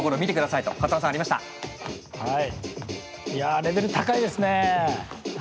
いやレベル高いですねえ。